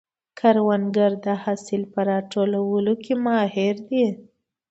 کروندګر د حاصل په راټولولو کې ماهر دی